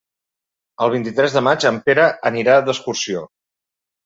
El vint-i-tres de maig en Pere anirà d'excursió.